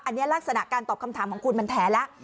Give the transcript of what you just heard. อันนี้ลักษณะการตอบคำถามของคุณมันแท้แล้ว